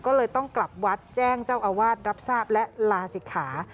ก็เลยต้องกลับวัดแจ้งเจ้าอาวาสรับทราบและลาศิกขา